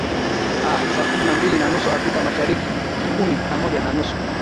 aa saa kumi na mbili na nusu afrika mashariki kumi na moja na nusu